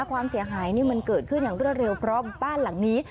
ความเสียหายนี่มันเกิดขึ้นอย่างรวดเร็วเพราะบ้านหลังนี้